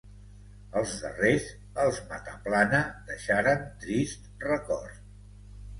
Els darrers, els Mataplana deixaren trist record.